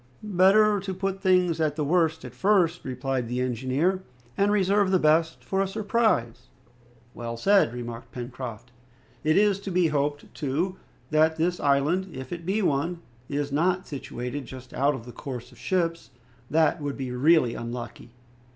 "Better to put things at the worst at first," replied the engineer, "and reserve the best for a surprise." "Well said," remarked Pencroft. "It is to be hoped, too, that this island, if it be one, is not situated just out of the course of ships; that would be really unlucky!"